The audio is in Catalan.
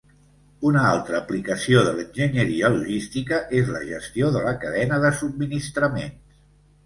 Una altra aplicació de l'enginyeria logística és la gestió de la cadena de subministraments.